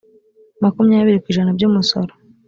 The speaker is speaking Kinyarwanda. makumyabiri ku ijana by umusoro